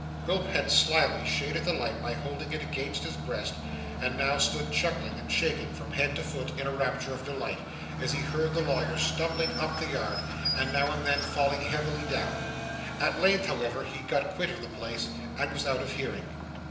Quilp had slily shaded the light by holding it against his breast, and now stood chuckling and shaking from head to foot in a rapture of delight, as he heard the lawyer stumbling up the yard, and now and then falling heavily down. At length, however, he got quit of the place, and was out of hearing.